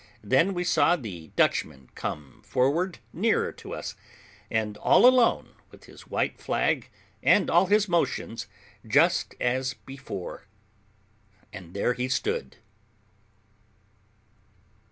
Then we saw the Dutchman come forward nearer to us, and all alone, with his white flag and all his motions, just as before, and there he stood.